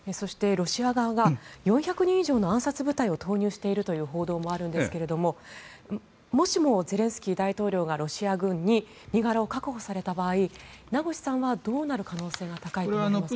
ロシア側が４００人以上の暗殺部隊を投入しているという報道もあるんですがもしもゼレンスキー大統領がロシア軍に身柄を確保された場合名越さんはどうなる可能性が高いと思われますか。